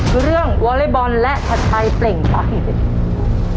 คือเรื่องวอเล็กบอลและชัดชัยเปล่งไฟ